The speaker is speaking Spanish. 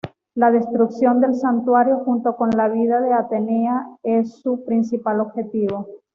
La destrucción del santuario, junto con la vida de Atenea, es su principal objetivo.